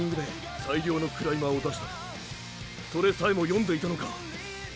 それさえも読んでいたのか？